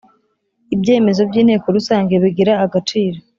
Ibyemezo by inteko rusange bigira agaciro